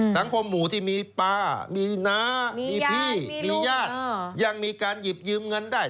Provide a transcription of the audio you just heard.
สังคมหมู่ที่มีป้ามีน้ามีพี่มีญาติยังมีการหยิบยืมเงินได้